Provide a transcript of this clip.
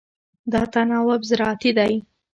دا تناوب زراعتي دی.